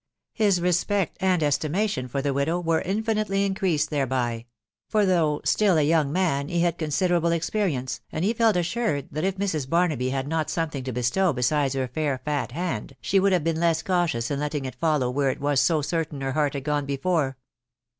His respect and estimation for the widow were infinitely increased thereby; for though still a young man, he bad considerable experience, and he felt assured, that if Mrs. Barnaby had not something to bestow besides her fair fat hand, she would have been less cautious in letting it follow where it was so certain her heart had gone before.